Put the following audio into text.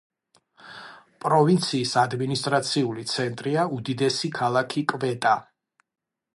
პროვინციის ადმინისტრაციული ცენტრია უდიდესი ქალაქი კვეტა.